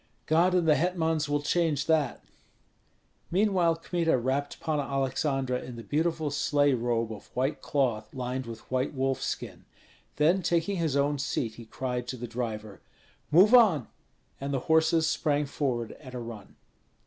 "God and the hetmans will change that." Meanwhile Kmita wrapped Panna Aleksandra in the beautiful sleigh robe of white cloth lined with white wolfskin; then taking his own seat, he cried to the driver, "Move on!" and the horses sprang forward at a run.